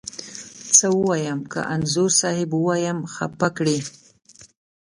څه ووایم، که انځور صاحب ووایم خپه کږې.